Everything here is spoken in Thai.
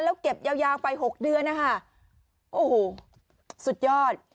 แล้วเก็บยาวยาวไปหกเดือนนะคะโอ้โหสุดยอด